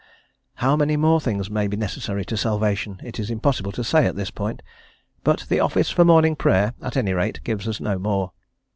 How many more things may be necessary to salvation it is impossible to say at this point, but the office for Morning Prayer, at any rate, gives us no more.